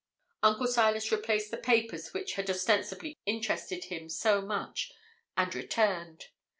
Uncle Silas replaced the papers which had ostensibly interested him so much, and returned.